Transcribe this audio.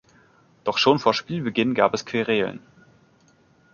Doch schon vor Spielbeginn gab es Querelen.